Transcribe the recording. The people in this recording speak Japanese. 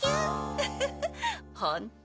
ウフフホント。